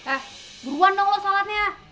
eh buruan dong lo sholatnya